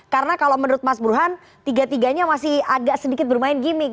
karena kalau menurut mas burhan tiga tiganya masih agak sedikit bermain gimmick